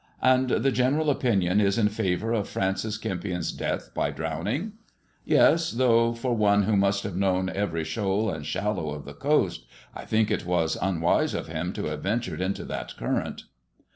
"And the general opinion is in favour of Francis Kempion's death by drowning?" " Yes ! Though for one who must have known every shoal and shallow of the coast, I think it was unwise of him to have ventured into that current."